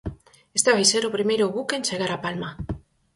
Este vai ser o primeiro buque en chegar á Palma.